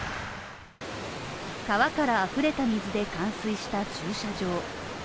川からあふれた水で冠水した駐車場。